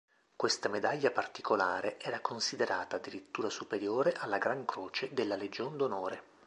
Questa medaglia particolare era considerata addirittura superiore alla Gran croce della Legion d'Onore.